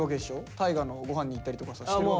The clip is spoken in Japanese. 大我の御飯に行ったりとかさしてるわけじゃん。